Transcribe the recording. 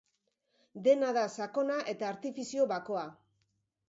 Dena da sakona eta artifizio bakoa.